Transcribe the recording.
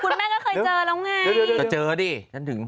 แม่ก็เคยเจอแล้วไงจะเจอดิฉันถึง